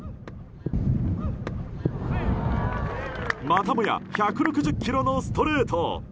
またもや１６０キロのストレート。